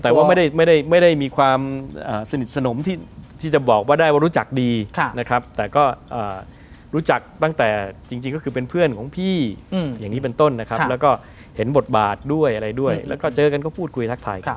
แต่ว่าไม่ได้มีความสนิทสนมที่จะบอกว่าได้ว่ารู้จักดีนะครับแต่ก็รู้จักตั้งแต่จริงก็คือเป็นเพื่อนของพี่อย่างนี้เป็นต้นนะครับแล้วก็เห็นบทบาทด้วยอะไรด้วยแล้วก็เจอกันก็พูดคุยทักทายกัน